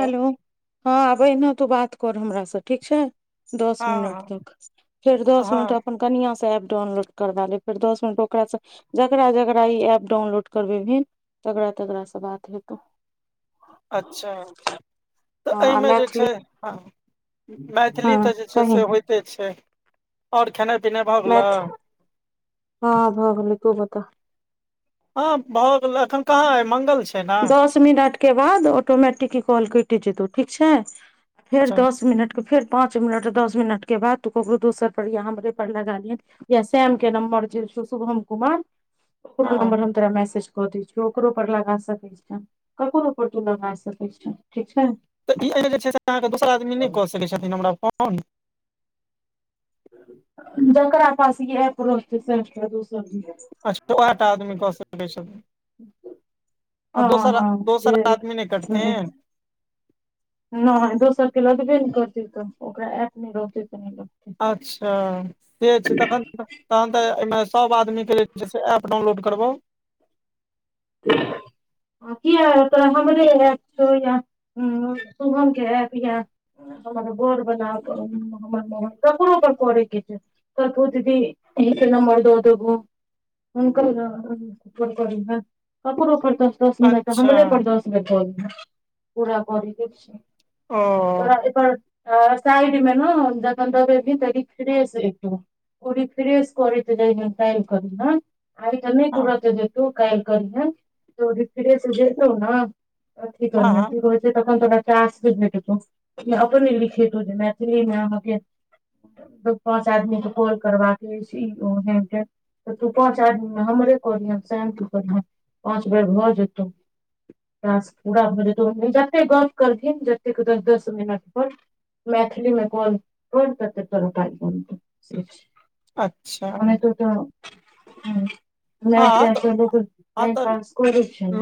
hello हँ आब एहिना तू बात कर हमरा सँ ठीक छै दस हँ मीनट तक फेर हँ दस मीनट हँ अपन कनिआँ सँ ऐप डाउनलोड करबा लेब फेर दस मिनट ओकरो सँ जकरा जकरा ई एप डाउनलोड करबेबहिन तकरा तकरा सँ बात हेतौ अच्छा तऽ हँ आ एहिमे जे मैथिली छै हँ मैथिली हँ तऽ जे छै कही से होइते छै ओर खेनाइ पिनाइ भऽ गेलौ मैथ हँ भऽ गेलै तु बता हँ भऽ गेल अखन कहाँ अय मंगल छी दस मिनट के बाद ऑटोमेटिकी ई कॉल कइट जेतौ ठीक छै फेर अच्छा दस मिनटके फेर पाँच मिनट दस मिनटके बाद तू ककरो दोसरपर या हमरेपर लगा लिहन या शेम के नम्बर जे छै शुभम कुमार ओकरो हँ नम्बर हम तोरा मैसेज कऽ दै छिय ओकरो पर लगा स ककरो पर तू लगा सकै छऽ ठीक छै तऽ ई एहि जे छै से अहाँके दोसर आदमी नहि कऽ सकैत छथिन हमरा फोन जकरा पास गृहस्त प्रोफोसर अच्छा ओएह टा आदमी कऽ सकैत छथिन [unintelligible] आ हँ दोसर हँ दोसर जे आदमी नहि सुनय करथिन नहि दोसर के लगबे नै करतै [unintelligible] ओकरा ऐप नहि रहतै तऽ नै लगतै अच्छा से छै तखन तहन तऽ एय मऽ सब आदमी के जे छै ऐप डाउनलोड करबाउ [inaudible] किया [unintelligible] हमरे एप छौ या शुभम के एप यऽ हमर [unintelligible] ओकरो पर करै कऽ छै [unintelligible] अही कऽ नम्बर द देबो हुनकर नऽ [unintelligible] ककरो पर दस दस मिनट अच्छा हमरे पर दस मिनट कऽ लिहऽ पूरा करै कऽ छै ओ तोड़ा एतअ आ साइड मे न जखन दऽ देबही त रीफ्रेेश एतो ओ रीफ्रेश करैत रहियऽ काल्हि करियअ आइ तऽ नहि हँ तुरत देतौ काल्हि करिहे तो रिफ्रेश जेतौ नऽ अथि हँ करियह हँ की कहै से तन तो पचासे भेटतौ ई अपने लिखितौ जे मैथिलीमे अहाँकेँ दू पाँच आदमी के कॉल करबाका अछि ई अहीकेँ तऽ तू पाँच आदमीमे हमरे करिह सेह तू कह पाँच बेर भऽ जेतौ टास्क पूरा भऽ जेतौ जतेक गप करबीन जतेक दस दस मिनट पर मैथिलीमे कोन कोन क त‌तेकतोरा पै अच्छा ओने त [unintelligible] ह तऽ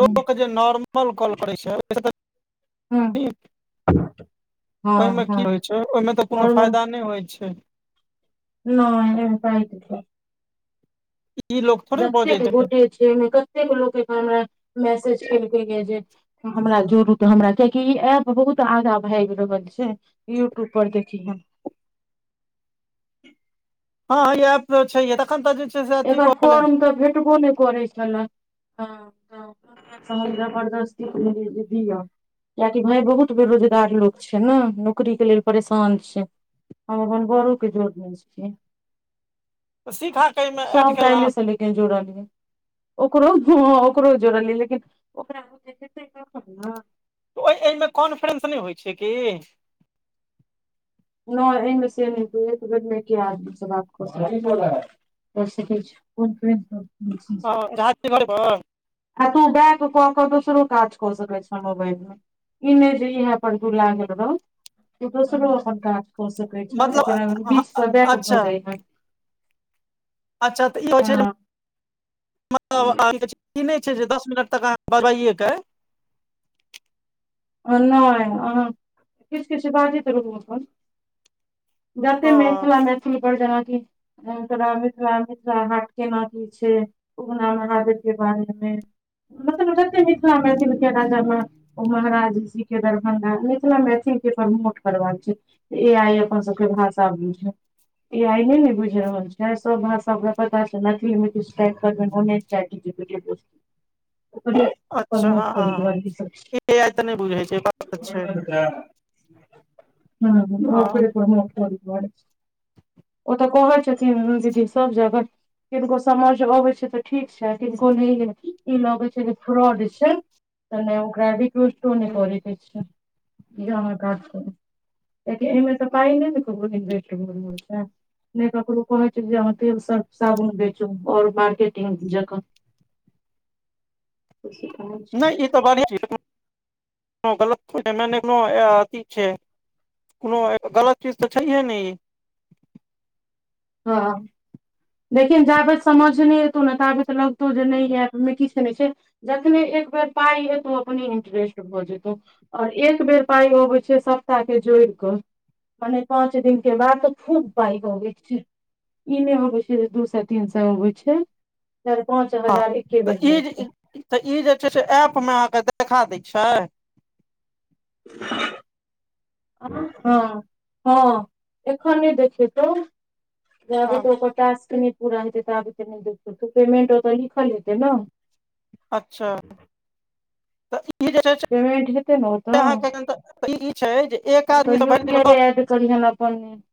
लोक जे नॉर्मल कॉल करे छै ओहिसँ तऽ हँ नीक हँ ओहिमे हँ की होइ छै ओहिमे तऽ कोनो नॉर्मल फायदा नहि होइ छै नहि ए प छिये ई लोक थोड़े बजै जतेक गोटे छै ओहिमे कतेक लोकके हमरा मैसेज एलकै य जे हमरा जोड़ू त हमरा कियाकि ई ऐप बहुत आगा भाइग रहल छै यूट्यूब पर देखी ह हँ इह एप त छै देखन तऽ छै से अथी एकर कहले फॉर्म तऽ भेटबो नहि करै छले ह तहन बदस्ती दी य कियाकि भाय बहुत बेरोजगार लोक छै ने नौकरी के लेल परेशान छै हम अपन बरो के जोड़ने छीयै तऽ सीखा कहै सो कइे सल जोड़लै ओकरो ओकरो जोड़लियै लेकिन ओकरो [unintelligible] ओहि एहिमे कॉन्फ्रेंस नहि होइ छै कि ने एहिमे से नय एक बेर में एके आदमी सब कह सके छी झा घर पर [unintelligible] आ तू बैग कऽ कऽ तऽ दोसरो काज कऽ सकै छै मोबाइल में ई नहिं जे इह पर तू लागल रह तू दोसरो‌अपन‌काज क हो सकै छै एकरा मतलब बीच सऽ बैक भऽ अच्छा जाइ हे अच्छा तऽ ई होई छै मतलब ई नहि छै जे दस मिनट तक अहाँ बढ़ाए कऽ ओ नहि अहा किछ किछ बाजैत रहू अपन जते ओ मिथिला मैथिली पर जेनाकी तोरा मिथिला मिथिला हाट केना की छै उगना महादेव के बारे में मतलब जतेक मिथिला मैथिल राजा म ओ महाराज जी के दरभंगा मिथिला मैथिल के प्रमोट करवा छै ए आइ अपन सब के भाषा‌‌ बूझे ए आइ नै ने बुझि रहल छै सब भाषा ओकरा पता छै मैथिली मे किछ टाइप करने चैट जीपीटी पु अच्छा हँ प्रमोट करै हँ दुआरे ए आइ तऽ नहि बुझै छै बात तऽ छै [unintelligible] हँ ओकरे प्रमोट करै दुआरे [unintelligible] ओ तऽ कहै छथिन दीदी सब जगह किनको समझ अबै छै तऽ ठीक छै किनको ई लगैत छै जे फ्रॉड छै ओ ने ओकरा को करके छै जे आहा काज करु कियाकि तएहिमे तऽ पाई नहि ने इेट [unintelligible] नहि ककरो कहै छै जे अहाँ तेल सर्फ साबुन बेचु और मार्केटिंग जकै ससी कह [unintelligible] नहि ई गलत छै एमैने [unintelligible] कोनो गलत चीज तऽ छैहे नहि ई हाँ लेकिन जाबैत समझ नहि एतौ न ताबे लगतौ जे नहि आहि मे किछु नहि छै जखने एक बेर पाइ एतौ अपने इंटरेस्ट भऽ जेतौ और एक बेर पाई अबैत छै सबता के जोड़ि कऽ मने पाँच दिन के बाद तऽ खूब बाइक [unintelligible] हो गेल छै ई ने होबे छै जे दू सए तीन सए होबे छै चार पांच हँ हजार एक तऽ बेर मे एतै ई तऽ ई जे छै से ऐप मे अहाँ के देखा दै छैय हाँ [unintelligible] हाँ हाँ एखन देखेतौ जाबेत ओकर टास्क नहि पूरा हतै ताबेत नहि देखत त पेमेंट ओतऽ लिखल हेतै न अच्छा तऽ इ ई जे छै पेमेंट हेतै ने से अहाँ ओतऽ के ई छै जे एक आदमी सँ भरि दिन मे दस हम [unintelligible]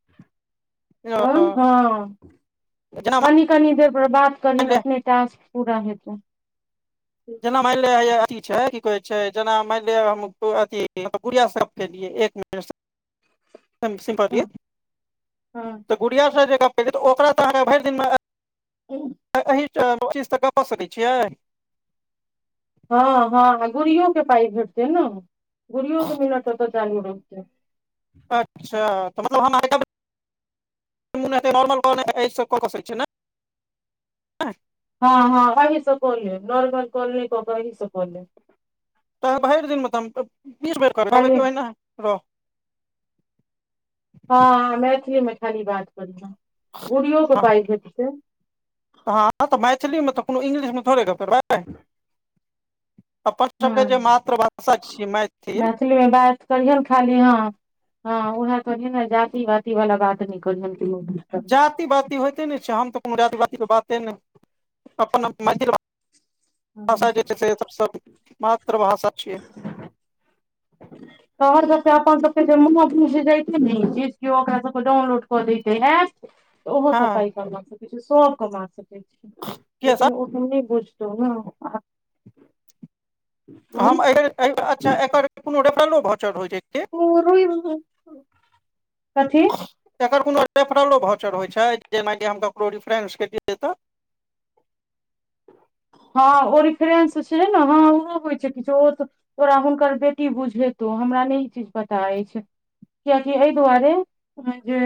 आ जेना हाँ कनी कनी देर पर बात मानि करहीन ले अपने टास्क पुरा हेतै जेना मानि ले हैया अथि छै की कहै छै जेना मानि लिअ हम अथि गुड़िया सब केलियै एक मिनट स [unintelligible] [unintelligible] हाँ तऽ गुड़ियां ओकरा तऽ अहाँ भरि दिन हँ [unintelligible] चीस तऽ गप कऽ सकैय छियै हाँ हाँ गुड़ियो के पाई भेटतै न गुड़ियो के मिनट ओतऽ जालू रहतै अच्छा तऽ मतलब हम आ नॉर्मल काॅल ऐसे कऽ सकै छी ए ना हाँ हाँ अही स क लेब नार्मल काॅल नै कक यही स कलेब तऽ भैर दिन मे तऽ हम बीस बेर करबै खाली केहि रह हाँ मैथिली मे खाली बात करेगें गूड़ियो के पाई भेटतै हाँ तऽ मैथिली मे तऽ कोनो इंग्लिश मे थोड़े गप्प करबै अपन सबके जे हँ मातृभाषा छी मैथिल बात मैथिली करिहे ने खाली हाँ [unintelligible] हँ उह तो ने जाति वाति वाला बात नहि करहैन कियो नै जाति बाति होइते ने छै हम तऽ कोनो जाति बाती के बाते नै अपन मैथिल भाषा जे छै से सबसँ मातृ भाषा छियै ह [unintelligible] तोहर सब के अपन सबके जे मा बुझ जैतै ने ईलाज कियो ओकरा सबके डाउनलोड कऽ देैते ऐप तऽ ओहो हँ सपाइ कमा सकैत छै सब कमा सकै छै किया लेकिन सर से नहीं बुझतौ नऽ हम ए अच्छा एकर कोनो रेफरलो भौचर होई छै की प रुइ कथी एकर कोनो रेफरलो भौचर होइ छै जेनाकि हम ककरो रिफरेंस के लियै तऽ हँ ओ रिफरेंस छै न हँ ओहो होइ छै किछो ओ तोरा हुनकर बेटी बुझेतौ हमरा नहि ई चीज पता अछि क्या की ऐ दुआरे जे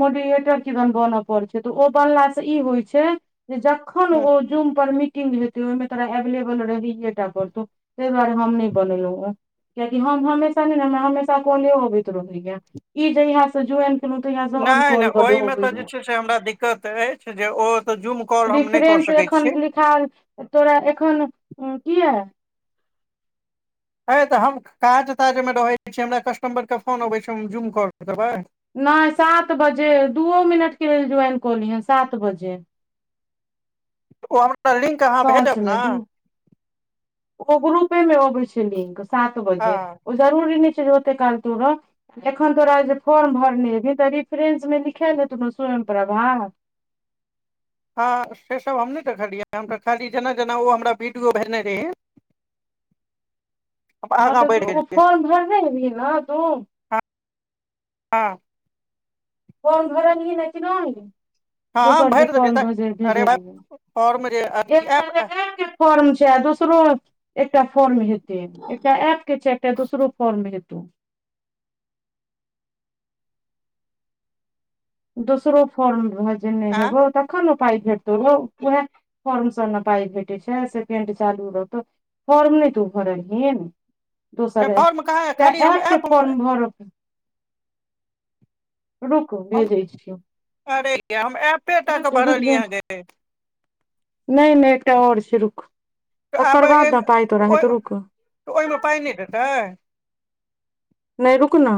मोडीेएटर किदैन बनऽ पड़ छै तऽ ओ बनलास ई होइ छै जे जखन ओ जूम पर मि हेतै ओहिमे तोरा एवेलेबल रहैएटा पतौ तहि दुआरे हम नहि बनेलहुं ओ कियाकि हम हमेशा ने ने हमरा हमेशा कौले अवैत रहैय‌ इ जहिया से जू ए चलो तऽ यह तऔर नहि नहि कौल बड़ो ओहिमे होबै तऽ जे ने छै से हमरा दिक्कत अछि जे ओ तऽ जुम रेफ्रेंस एखन लिखल‌तोरा एखन किहे ह तऽ हम काज ताजमे रहै छीये हमरा कस्टमर के फोन अबै छै हम जूम कर देबै नहि सात बजे दूओ मिनटके लेल ज्वाइन कऽली हेँ सात बजे ओ हमरा लिंक अहाँ साँझ भेजब ने मे दू ओ ग्रुपे मे अबै छै लिंक सात बजे हँ ओ जरूरी नहि छै जे ओते काल तु रह एखन तोरा जे फॉर्म भरनेबही तऽ रिफ्रेंस मे लिखायल देतौ स्वयं प्रभा हँ से सब हम नहि देखलियै हम तऽ खाली जेना जेना ओ हमरा वीडियो भेजने रही हँ त आगाँ बढ़ि तू ऽ ओ गेलियै फॉर्म भरने र ने तू हँ कोन भरलहीन नव है कि नय हँ हँ दोसर जे भरि देबै फोर्म तऽ भ अरे भाय भेजलियै फॉर्म जे अथी एप [unintelligible] फॉर्म छै आ दोसरो एकटा फॉर्म हेते एकटा एप के छै एकटा दोसरो फॉर्म हेत दोसरो फॉर्म रह जे नहि आँ हब त कोन उपाय भेटतौ र वह फॉर्म स पाय भेटे छै सेंकेड चालू रहतौ फॉर्म नहि तू भरलहिन नहि दोसर फॉर्म कहाँ एकटा खाली हम एप के ऐप फॉर्म भर रुकु हम अरे य हम ऐपे टा रुक के जो रुक जो भरलियै ह ग नहि नहि एकटा और छै रुख तकर बाद ने पाइ तोरा हेत आब रुख तऽ ओहिमे पाइ नहि देेतै नहि रुकना